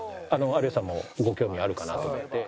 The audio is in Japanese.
有吉さんもご興味あるかなと思って。